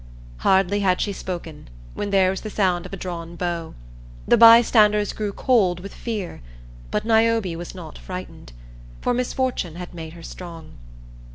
Hardly had she spoken when there was the sound of a drawn bow. The bystanders grew cold with fear, but Niobe was not frightened, for misfortune had made her strong.